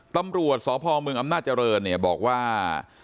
ตำรวจสพมอเจริญบอกว่า